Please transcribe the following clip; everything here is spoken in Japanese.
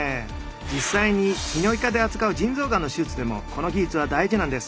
実際に泌尿器科で扱う腎臓がんの手術でもこの技術は大事なんです。